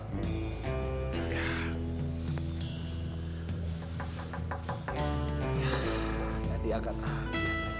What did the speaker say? ya jadi aku akan tahan